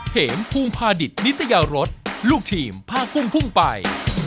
เห็มพุงพาดิษฐ์นิตยารสลูกทีมพลากุ้งพุ่งไป